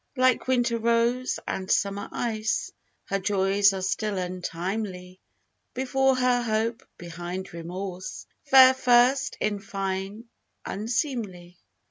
Like winter rose, and summer ice, Her joys are still untimely; Before her hope, behind remorse, Fair first, in fine unseemly.